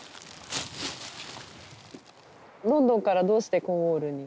ロンドンからどうしてコーンウォールに？